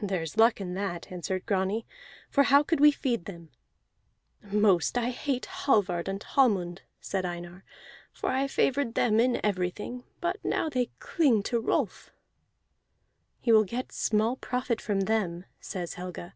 "There is luck in that," answered Grani, "for how could we feed them?" "Most I hate Hallvard and Hallmund," said Einar, "for I favored them in everything, but now they cling to Rolf." "He will get small profit from them," says Helga.